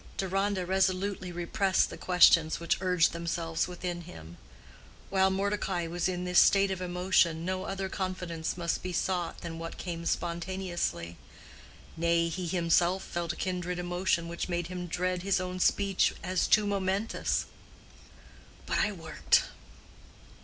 Deronda resolutely repressed the questions which urged themselves within him. While Mordecai was in this state of emotion, no other confidence must be sought than what came spontaneously: nay, he himself felt a kindred emotion which made him dread his own speech as too momentous. "But I worked.